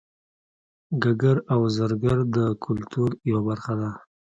ګګر او زرګر د کولتور یوه برخه دي